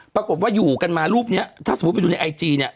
ปรากฏว่าอยู่กันมารูปนี้ถ้าสมมุติไปดูในไอจีเนี่ย